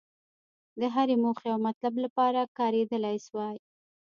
د هرې موخې او مطلب لپاره کارېدلای شوای.